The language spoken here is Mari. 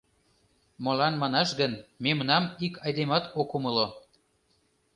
Молан манаш гын, мемнам ик айдемат ок умыло.